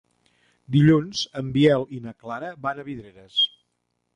Dilluns en Biel i na Clara van a Vidreres.